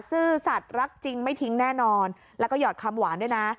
ซื่อสัตว์รักจริงไม่ทิ้งแน่นอนแล้วก็หยอดคำหวานด้วยนะ